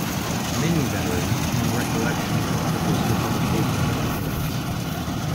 Many veterans penned recollections or articles for publication in its pages.